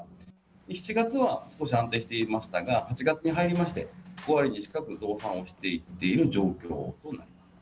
７月は少し安定していましたが、８月に入りまして、５割近く増産していっている状況となります。